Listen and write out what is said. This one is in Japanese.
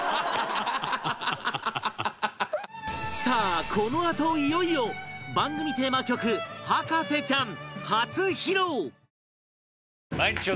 さあこのあといよいよ番組テーマ曲『博士ちゃん』初披露！